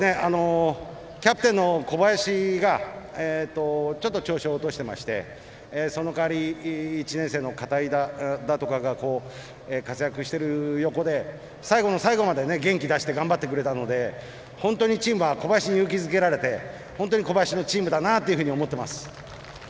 キャプテンの小林がちょっと調子を落としていましてその代わり１年生の片井だとかが活躍している横で最後の最後まで元気出して頑張ってくれたので本当にチームは小林に勇気づけられて小林のチームだなと思っています。